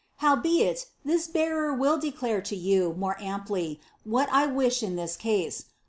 " Howbeit. this bearer will declare lo you more amply what I wish in this ease.